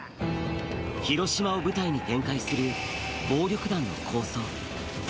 広島を舞台に展開する暴力団の抗争。